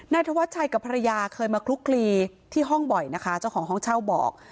ธวัชชัยกับภรรยาเคยมาคลุกคลีที่ห้องบ่อยนะคะเจ้าของห้องเช่าบอก